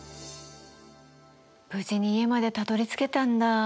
無事に家までたどりつけたんだ。